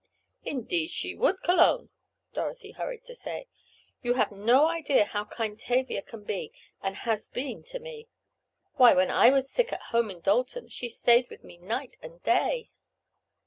"Indeed she would, Cologne," Dorothy hurried to say. "You have no idea how kind Tavia can be and has been to me. Why, when I was sick home in Dalton, she stayed with me night and day."